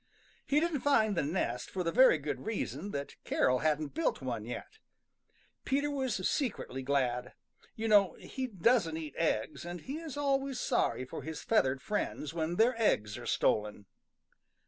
He didn't find the nest for the very good reason that Carol hadn't built one yet. Peter was secretly glad. You know he doesn't eat eggs, and he is always sorry for his feathered friends when their eggs are stolen.